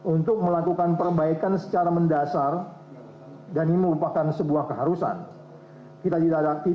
untuk melakukan perbaikan secara mendasar dan ini merupakan sebuah keharusan